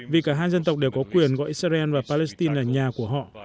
vì cả hai dân tộc đều có quyền gọi israel và palestine là nhà của họ